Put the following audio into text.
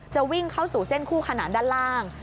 วิ่งเข้าสู่เส้นคู่ขนานด้านล่าง